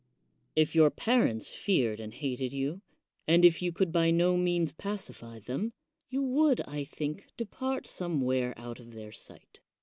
If your parents feared and hated you, and if you could by no means pacify them, you would, I think, depart somewhere out of their sight.